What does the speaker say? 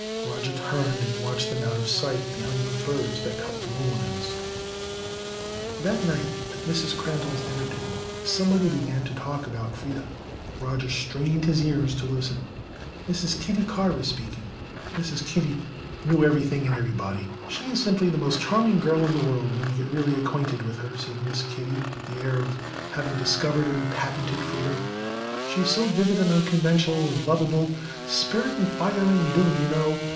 Roger turned and watched them out of sight behind the firs that cupped Lowlands. That night at Mrs. Crandall's dinner table somebody began to talk about Freda. Roger strained his ears to listen. Mrs. Kitty Carr was speaking—Mrs. Kitty knew everything and everybody. "She is simply the most charming girl in the world when you get really acquainted with her," said Mrs. Kitty, with the air of having discovered and patented Freda. "She is so vivid and unconventional and lovable—'spirit and fire and dew,' you know.